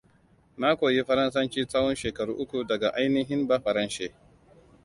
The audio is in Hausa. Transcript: Na koyi faransanci tsahon shekaru uku daga ainihin bafaranshe.